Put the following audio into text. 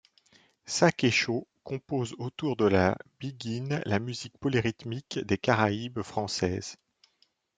Sakésho compose autour de la biguine, la musique polyrythmique des Caraïbes françaises.